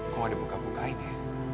kok ada buka buka ini